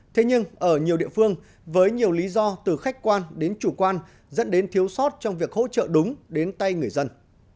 thế nhưng ở nhiều địa phương với nhiều lý do từ khách quan đến chủ quan dẫn đến thiếu sót trong việc hỗ trợ đúng đến tay người dân